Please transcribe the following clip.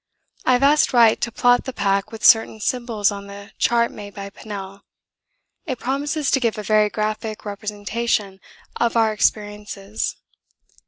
I have asked Wright to plot the pack with certain symbols on the chart made by Pennell. It promises to give a very graphic representation of our experiences.